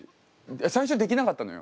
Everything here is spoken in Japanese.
最初できなかったのよ。